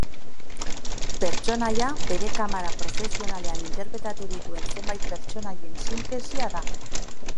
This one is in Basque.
Pertsonaia bere karrera profesionalean interpretatu dituen zenbait pertsonaien sintesia da.